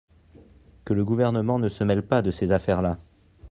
Que le gouvernement ne se mêle pas de ces affaire-là.